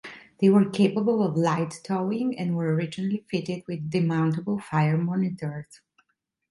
They were capable of light towing, and were originally fitted with demountable fire monitors.